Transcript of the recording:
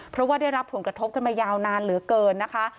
เพราะว่าได้รับผลกระทบกันมายาวนานเหลือเกินนะคะ